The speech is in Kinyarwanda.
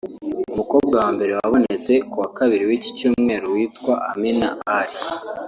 umukobwa wa mbere wabonetse kuwa Kabiri w’iki cyumweru witwa Amina Ali